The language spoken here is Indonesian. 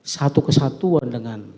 satu kesatuan dengan